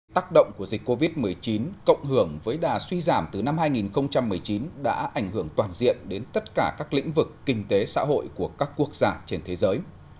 tác động của dịch covid một mươi chín cộng hưởng với đà suy giảm từ năm hai nghìn một mươi chín đã ảnh hưởng toàn diện đến tất cả các lĩnh vực kinh tế xã hội của các quốc gia trên thế giới